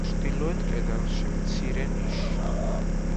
ჩრდილოეთ კედელში მცირე ნიში.